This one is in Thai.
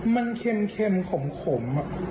มันเค็มขม